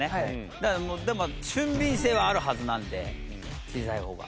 だからもうでも俊敏性はあるはずなんで小さい方が。